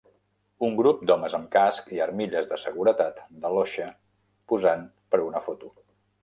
Un grup d'homes amb casc i armilles de seguretat de l'OSHA posant per a una foto.